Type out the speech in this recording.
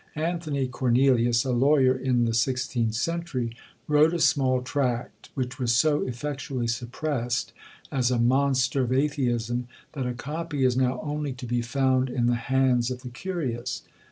Anthony Cornelius, a lawyer in the sixteenth century, wrote a small tract, which was so effectually suppressed, as a monster of atheism, that a copy is now only to be found in the hands of the curious.